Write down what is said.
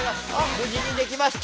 無事にできました。